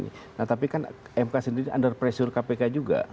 nah tapi kan mk sendiri under pressure kpk juga